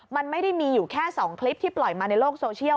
มันไม่ได้มีอยู่แค่๒คลิปที่ปล่อยมาในโลกโซเชียล